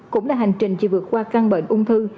cũng là hành trình chỉ vượt qua căng bệnh ung thư